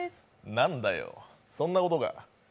なんだよ、そんなことか。